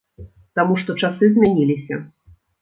Таму што часы змяніліся.